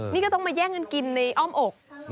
นี่ก็ต้องมาแย่งกันกินในอ้อมอก